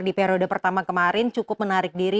di periode pertama kemarin cukup menarik diri